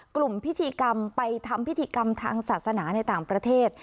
พิธีกรรมไปทำพิธีกรรมทางศาสนาในต่างประเทศ